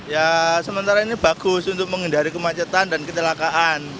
ya sementara ini bagus untuk menghindari kemacetan dan kecelakaan